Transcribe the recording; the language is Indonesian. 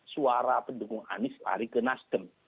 suara pendukung anies lari ke nasdem